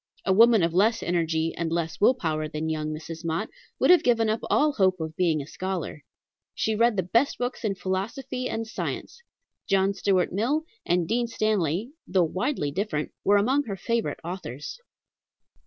A woman of less energy and less will power than young Mrs. Mott would have given up all hope of being a scholar. She read the best books in philosophy and science. John Stuart Mill and Dean Stanley, though widely different, were among her favorite authors.